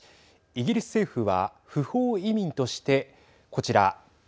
イギリス政府は不法移民としてこちら。